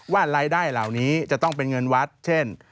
ว่ารายได้เหล่านี้จะต้องเป็นเงินวัดเช่น